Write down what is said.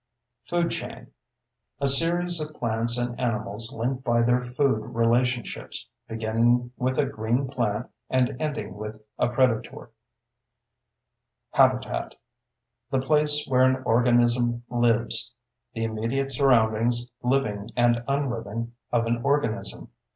FOOD CHAIN: A series of plants and animals linked by their food relationships, beginning with a green plant and ending with a predator. HABITAT: The place where an organism lives; the immediate surroundings, living and unliving, of an organism.